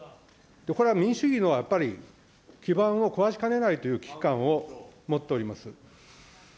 これは民主主義のやっぱり基盤を壊しかねないという危機感を持っております。